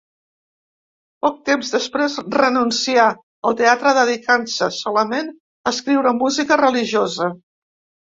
Poc temps després renuncià al teatre dedicant-se solament a escriure música religiosa.